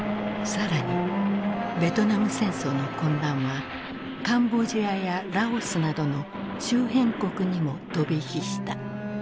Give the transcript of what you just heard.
更にベトナム戦争の混乱はカンボジアやラオスなどの周辺国にも飛び火した。